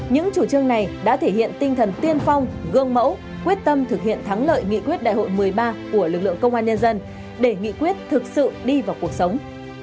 những chủ trương này đã thể hiện tinh thần tiên phong gương mẫu quyết tâm thực hiện thắng lợi nghị quyết đại hội một mươi ba của lực lượng công an nhân dân để nghị quyết thực sự đi vào cuộc sống